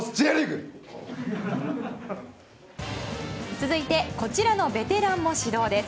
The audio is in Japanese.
続いてこちらのベテランも始動です。